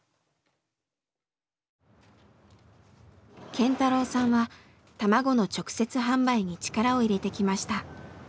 健太郎さんは卵の直接販売に力を入れてきました。